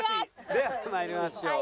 では参りましょう。